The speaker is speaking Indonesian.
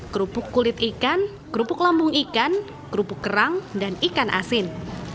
kerupuk kulit ikan kerupuk lambung ikan kerupuk kerang dan ikan asin